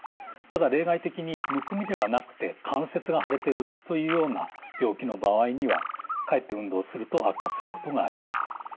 ただ例外的にむくみではなくて関節が腫れてるというような病気の場合にはかえって運動すると悪化することがあります。